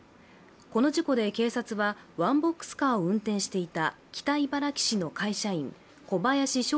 この事故で警察はワンボックスカーを運転していた北茨城市の会社員小林翔